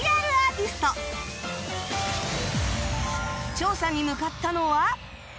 調査に向かったのは